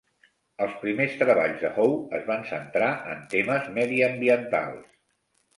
Els primers treballs de Howe es van centrar en temes mediambientals.